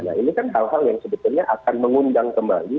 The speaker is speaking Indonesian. nah ini kan hal hal yang sebetulnya akan mengundang kembali